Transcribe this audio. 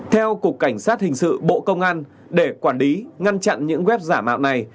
theo cục cảnh sát hình sự bộ công an để quản lý ngăn chặn những web giả mạo này